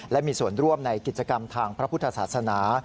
และมีส่วนร่วมในกิจกรรมทางพระพุทธศาสนา